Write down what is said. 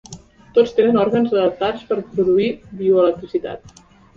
Tots tenen òrgans adaptats per produir bioelectricitat.